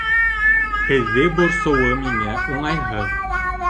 Һеҙҙе борсоуы миңә уңайһыҙ.